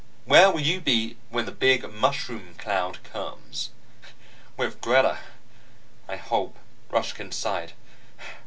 Where will you be when the big mushroom cloud comes?" "With Greta, I hope," Ruskin sighed.